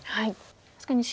確かに白